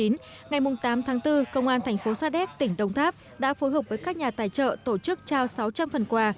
ngày tám tháng bốn công an thành phố sa đéc tỉnh đồng tháp đã phối hợp với các nhà tài trợ tổ chức trao sáu trăm linh phần quà